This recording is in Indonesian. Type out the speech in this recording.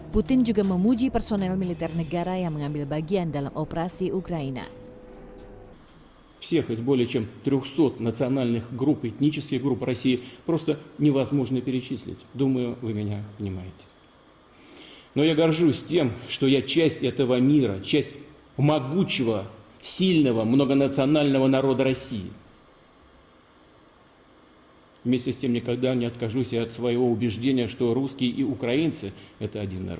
putin juga memuji personel militer negara yang mengambil bagian dalam operasi ukraina